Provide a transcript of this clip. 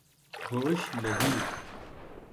ہوش نہیں